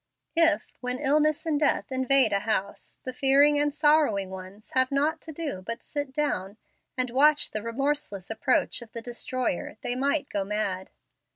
If, when illness and death invade a house, the fearing and sorrowing ones had naught to do but sit down and watch the remorseless approach of the destroyer, they might go mad.